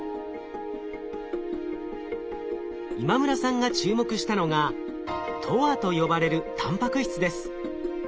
今村さんが注目したのがＴＯＲと呼ばれるタンパク質です。